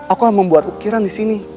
aku membuat ukiran di sini